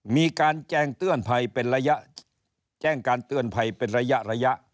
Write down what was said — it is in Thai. มีการแจ้งเตือนภัยเป็นระยะแจ้งการเตือนภัยเป็นระยะระยะ